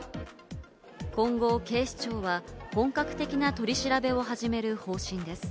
今後、警視庁は本格的な取り調べを始める方針です。